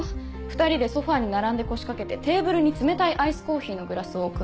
２人でソファに並んで腰掛けてテーブルに冷たいアイスコーヒーのグラスを置く。